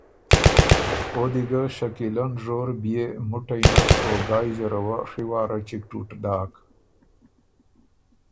او دی ګۀ شکیلۀ نژور بيې مُټی نک او ګای زره وه ڒی واره چِګ ټُوټ داک